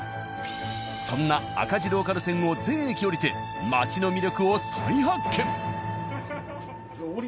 そんな赤字ローカル線を全駅降りて街の魅力を再発見！